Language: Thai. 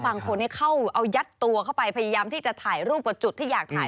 บางคนเข้าเอายัดตัวเข้าไปพยายามที่จะถ่ายรูปกับจุดที่อยากถ่าย